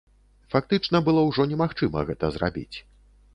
Фактычна было ўжо немагчыма гэта зрабіць.